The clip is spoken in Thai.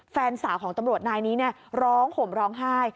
แฟนสาวของตำรวจนายนี้ร้องห่มร้องไห้